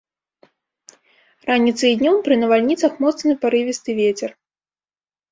Раніцай і днём пры навальніцах моцны парывісты вецер.